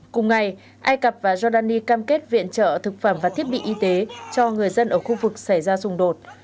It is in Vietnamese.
cùng ngày ai cập và giordani cam kết viện trợ thực phẩm và thiết bị y tế cho người dân ở khu vực xảy ra xung đột